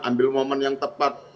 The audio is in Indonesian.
ambil momen yang tepat